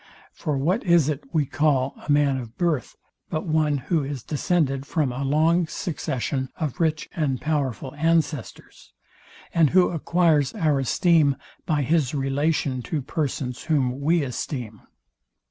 For what is it we call a man of birth, but one who is descended from a long succession of rich and powerful ancestors, and who acquires our esteem by his relation to persons whom we esteem?